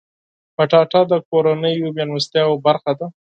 کچالو د کورنیو میلمستیاو برخه ده